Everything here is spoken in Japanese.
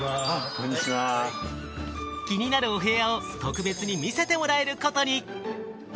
気になるお部屋を特別に見せてもらえることに！